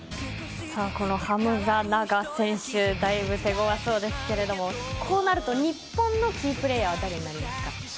このハムザ・ナガ選手だいぶ手ごわそうですけれどもこうなると日本のキープレーヤーは誰になりますか？